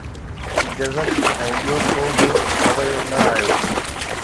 جزڪ ۽ ٻيو ڪو به رويو نه آيو